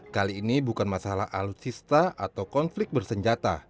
kali ini bukan masalah alutsista atau konflik bersenjata